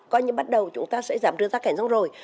coi như bắt đầu chúng ta sẽ giảm trưa tác cảnh rong rồi